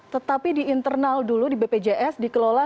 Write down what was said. tetapi di internal dulu di bpjs dikelola